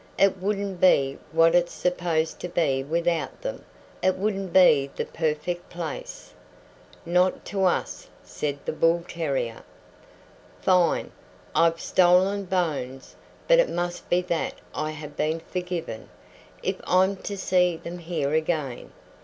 It wouldn't be what it's supposed to be without them. It wouldn't be the perfect place." "Not to us," said the bull terrier. "Fine! I've stolen bones, but it must be that I have been forgiven, if I'm to see them here again.